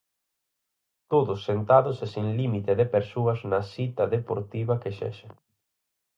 Todos sentados e sen límite de persoas na cita deportiva que sexa.